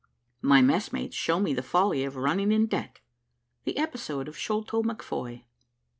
MY MESSMATES SHOW ME THE FOLLY OF RUNNING IN DEBT THE EPISODE OF SHOLTO MCFOY.